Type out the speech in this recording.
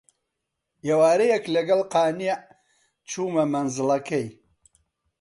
ئێوارەیەک لەگەڵ قانیع چوومە مەنزڵەکەی